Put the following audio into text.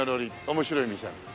面白い店。